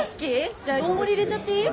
じゃあ大盛り入れちゃっていい？